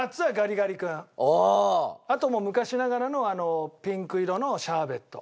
あともう昔ながらのピンク色のシャーベット。